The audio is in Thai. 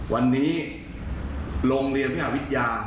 วันนี้โรงเรียนพิหาวิทยา